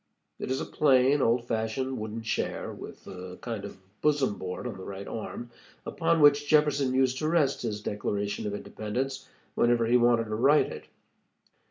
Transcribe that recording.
It is a plain, old fashioned wooden chair, with a kind of bosom board on the right arm, upon which Jefferson used to rest his Declaration of Independence whenever he wanted to write it.